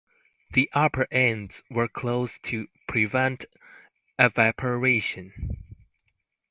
The upper ends were closed to prevent evaporation.